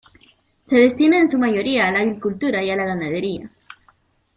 Se destina en su mayoría a la agricultura y la ganadería.